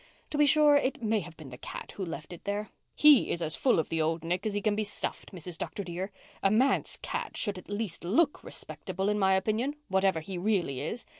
To be sure it may have been the cat who left it, there. He is as full of the old Nick as he can be stuffed, Mrs. Dr. dear. A manse cat should at least look respectable, in my opinion, whatever he really is.